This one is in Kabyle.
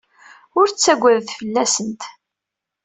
Ur ttaggadet fell-asent.